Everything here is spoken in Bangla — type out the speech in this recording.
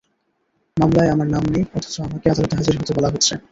মামলায় আমার নাম নেই, অথচ আমাকে আদালতে হাজির হতে বলা হচ্ছে।